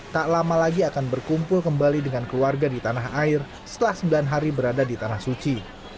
tak lama lagi akan berkumpul kembali dengan keluarga di tanah air setelah sembilan hari berada di tanah suci